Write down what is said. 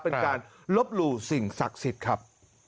เป็นการลบหลู่สิ่งศักดิ์สิทธิ์ครับ